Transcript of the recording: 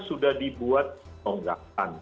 sudah dibuat tidak